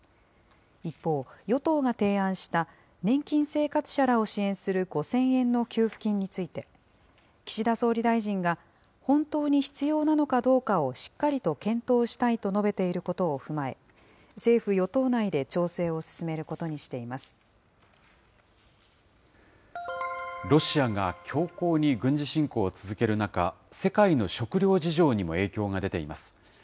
一方、与党が提案した年金生活者らを支援する５０００円の給付金について、岸田総理大臣が、本当に必要なのかどうかをしっかりと検討したいと述べていることを踏まえ、政府・与党内で調整を進めることロシアが強硬に軍事侵攻を続ける中、世界の食糧事情にも影響が出ています。